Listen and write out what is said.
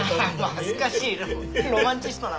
恥ずかしいな。